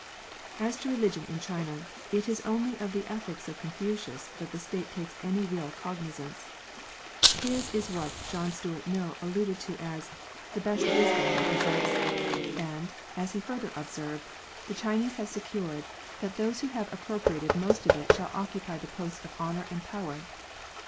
As to religion in China, it is only of the ethics of Confucius that the State takes any real cognizance. His is what John Stuart Mill alluded to as " the best 96 SUPERSTITION. wisdom they possess ;" and, as he further observed, the Chinese have secured " that those who have appro priated most of it shall occupy the posts of honour and power."